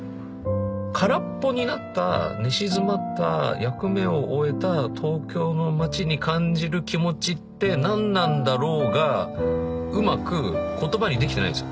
空っぽになった寝静まった役目を終えた東京の街に感じる気持ちって何なんだろうがうまく言葉にできてないんですよ。